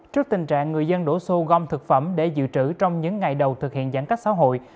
trước tình trạng người dân đổ xô gom thực phẩm để dự trữ trong những ngày đầu thực hiện giãn cách xã hội